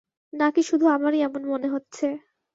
না-কি শুধু আমারই এমন মনে হচ্ছে?